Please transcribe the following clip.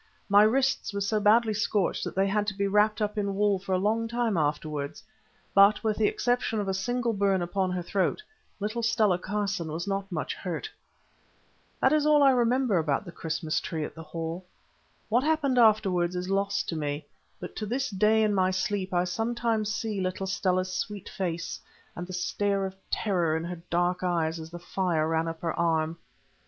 My wrists were so badly scorched that they had to be wrapped up in wool for a long time afterwards, but with the exception of a single burn upon her throat, little Stella Carson was not much hurt. This is all that I remember about the Christmas tree at the Hall. What happened afterwards is lost to me, but to this day in my sleep I sometimes see little Stella's sweet face and the stare of terror in her dark eyes as the fire ran up her arm.